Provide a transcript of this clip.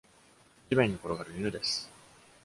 地面に転がる犬です。